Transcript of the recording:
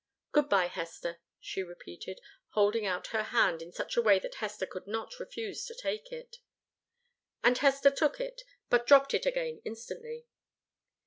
"Good bye, Hester," she repeated, holding out her hand in such a way that Hester could not refuse to take it. And Hester took it, but dropped it again instantly.